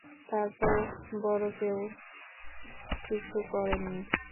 তারপর বড় কেউ কিছু করেননি।